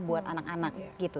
buat anak anak gitu